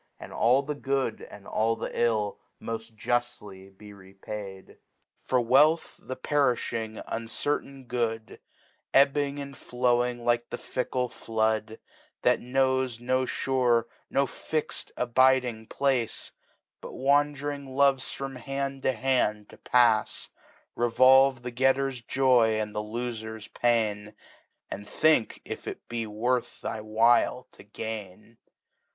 And all the Good and all the 111 moil juftly be repadif . For. Wealth, th^perifhine, uncertain Good^ Ebbing and flowing like the £ckle Flood, That knows no fure, no fix'd abiding Place, But wsmd'nng loves from Hand to Hand to pafs; Revolve the Getter's Joy and Lofer's t^ain, .And think if it be worth thy while to gain.